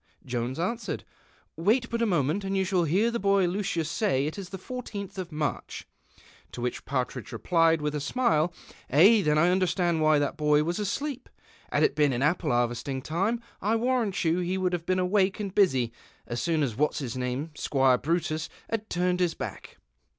"' Jonts answered, "' Wait bnt a moment and you siiall liear the boy Lueius say it is the l tth of Mareh." To whieh Partridge rephed witli a smile, " Ay, then I understand why the boy was asleej). Had it been in apple iiarvesting time I warrant you he would have been awake and busy as soon as what"s jus nanu', Squire Brutus, had turned his baek."'